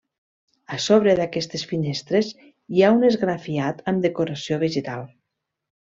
A sobre d'aquestes finestres hi ha un esgrafiat amb decoració vegetal.